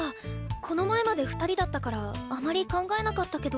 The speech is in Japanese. この前まで２人だったからあまり考えなかったけど。